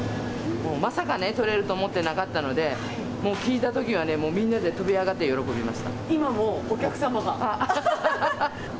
まさかね、とれると思ってなかったので、もう聞いたときはね、みんなで飛び今もお客様が。